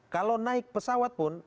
kalau naik pesawat pun